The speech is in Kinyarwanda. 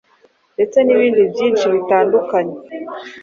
ndetse n’ibindi byisnhi bitandukanye